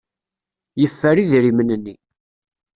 Yeffer idrimen-nni.